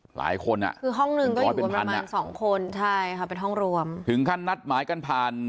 หลายคนอ่ะคือห้องหนึ่งก็อยู่กันประมาณสองคนใช่ค่ะเป็นห้องรวมถึงขั้นนัดหมายกันผ่าน